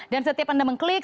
dan setiap anda mengklik